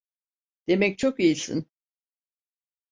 Demek çok iyisin!